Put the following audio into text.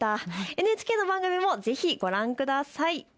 ＮＨＫの番組もぜひご覧ください。